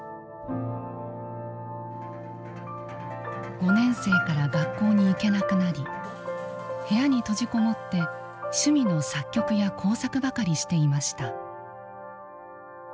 ５年生から学校に行けなくなり部屋に閉じこもって趣味の作曲や工作ばかりしていました。